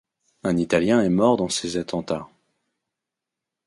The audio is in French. Un italien est mort dans ses attentats.